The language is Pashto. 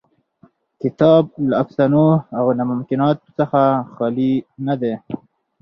کتاب له افسانو او ناممکناتو څخه خالي نه دی.